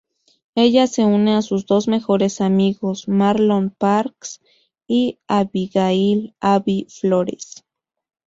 Ella se une a sus dos mejores amigos Marlon Parks y Abigail "Abi" Flores.